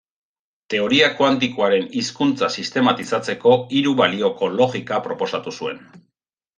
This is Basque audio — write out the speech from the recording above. Teoria kuantikoaren hizkuntza sistematizatzeko hiru balioko logika proposatu zuen.